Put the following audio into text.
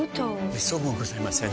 めっそうもございません。